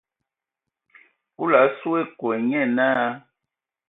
Kulu a su ekɔɛ, nye naa.